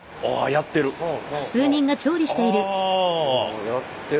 やってるわ。